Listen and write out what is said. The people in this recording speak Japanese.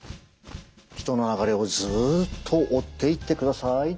人の流れをずっと追っていってください。